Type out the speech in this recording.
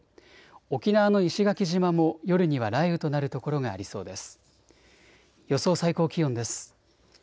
沖縄の石垣島も夜には雷雨となる所がありそうです。